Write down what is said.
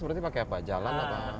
berarti pakai apa jalan atau